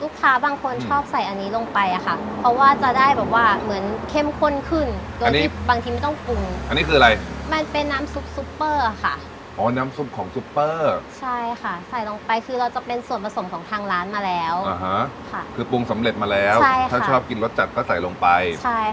บางคนชอบใส่อันนี้ลงไปอ่ะค่ะเพราะว่าจะได้แบบว่าเหมือนเข้มข้นขึ้นตัวนี้บางทีไม่ต้องปรุงอันนี้คืออะไรมันเป็นน้ำซุปซุปเปอร์ค่ะอ๋อน้ำซุปของซุปเปอร์ใช่ค่ะใส่ลงไปคือเราจะเป็นส่วนผสมของทางร้านมาแล้วอ่าฮะค่ะคือปรุงสำเร็จมาแล้วใช่ค่ะถ้าชอบกินรสจัดก็ใส่ลงไปใช่ค่ะ